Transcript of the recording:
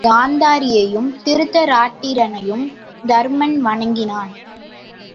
காந்தாரியையும் திருதராட்டிரனையும் தருமன் வணங்கினான்.